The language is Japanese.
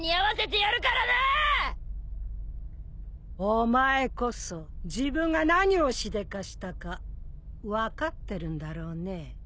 お前こそ自分が何をしでかしたか分かってるんだろうね？